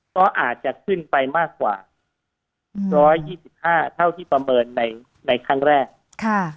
ก็อาจจะขึ้นไปมากกว่า๑๒๕เท่าที่ประเมินในครั้งแรก